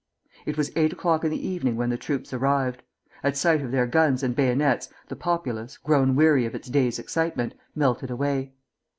It was eight o'clock in the evening when the troops arrived. At sight of their guns and bayonets the populace, grown weary of its day's excitement, melted away.